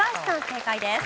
正解です。